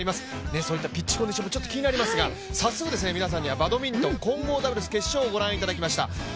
そういったピッチコンディションもちょっと気になりますが早速皆さんにはバドミントン混合ダブルス決勝をご覧いただきました。